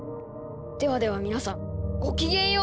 ではでは皆さんごきげんよう！」。